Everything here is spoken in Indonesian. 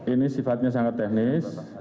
ini sifatnya sangat teknis